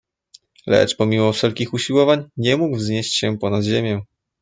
"Lecz pomimo wszelkich usiłowań, nie mógł wznieść się po nad ziemię."